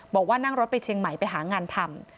บอกว่านั่งรถไปเชียงใหม่ไปหางานทำ